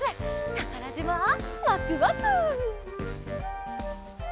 たからじまワクワク！